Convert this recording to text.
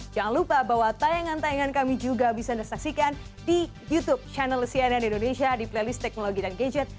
jangan lupa bahwa tayangan tayangan kami juga bisa anda saksikan di youtube channel cnn indonesia di playlist teknologi dan gadget